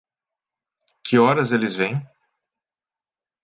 Que horas eles vêm?